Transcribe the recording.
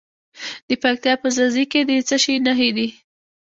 د پکتیا په ځاځي کې د څه شي نښې دي؟